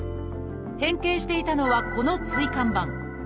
変形していたのはこの椎間板。